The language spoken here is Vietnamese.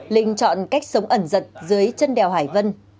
linh chọn cách sống ẩn giật dưới chân đèo hải vân